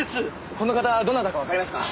この方どなたかわかりますか？